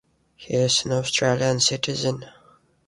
He is an Australian citizen.